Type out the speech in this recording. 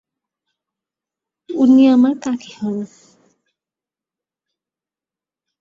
উনি আমার কাকি হন।